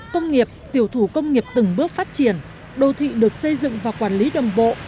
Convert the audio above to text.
công nghiệp tiểu thủ công nghiệp từng bước phát triển đô thị được xây dựng và quản lý đồng bộ